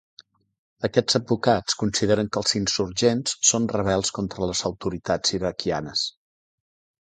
Aquests advocats consideren que els insurgents són rebels contra les autoritats iraquianes.